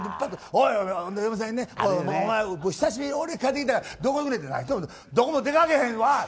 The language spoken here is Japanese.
嫁さんにお前久しぶりに俺帰ってきたのにどこ行くねんって聞いたらどこも出かけへんわ！